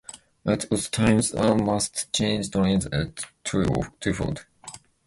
At other times one must change trains at Twyford.